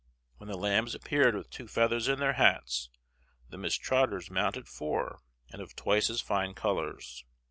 When the Lambs appeared with two feathers in their hats, the Miss Trotters mounted four and of twice as fine colors.